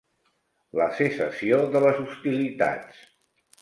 La cessació de les hostilitats.